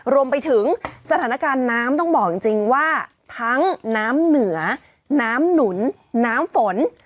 รวมไปถึงสถานการณ์น้ำต้องบอกจริงว่าทั้งน้ำเหนือน้ำหนุนน้ำฝน